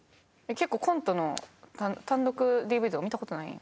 結構コントの単独ＤＶＤとか見た事ないん？